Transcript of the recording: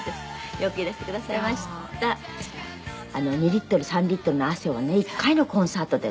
２リットル３リットルの汗をね一回のコンサートで。